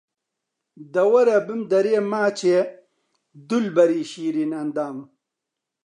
دە وەرە بمدەرێ ماچێ، دولبەری شیرین ئەندام